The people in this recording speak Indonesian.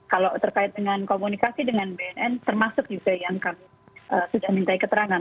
kalau terkait dengan komunikasi dengan bnn termasuk juga yang kami sudah minta keterangan